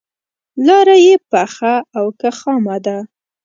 لاره یې پخه او که خامه ده.